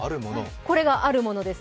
これがあるものです。